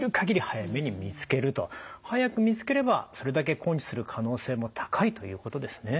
早く見つければそれだけ根治する可能性も高いということですね。